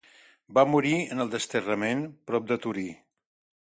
Va morir en el desterrament, prop de Torí.